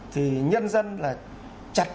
thì nhân dân là chặt